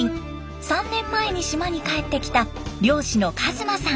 ３年前に島に帰ってきた漁師の一馬さん。